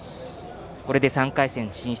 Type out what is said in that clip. これで３回戦進出。